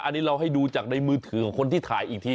อันนี้เราให้ดูจากในมือถือของคนที่ถ่ายอีกที